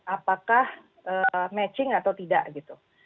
apakah matching atau tidak gitu